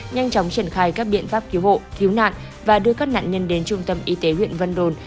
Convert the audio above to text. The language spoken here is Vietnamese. nhanh chóng triển khai các biện pháp cứu hộ cứu nạn và đưa các nạn nhân đến trung tâm y tế huyện vân đồn